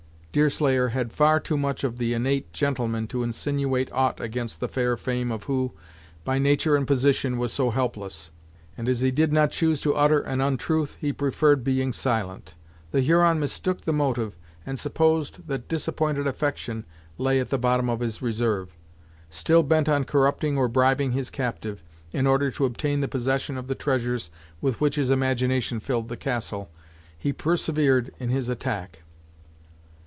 Deerslayer had far too much of the innate gentleman to insinuate aught against the fair fame of one who, by nature and position was so helpless, and as he did not choose to utter an untruth, he preferred being silent. The Huron mistook the motive, and supposed that disappointed affection lay at the bottom of his reserve. Still bent on corrupting or bribing his captive, in order to obtain possession of the treasures with which his imagination filled the Castle, he persevered in his attack.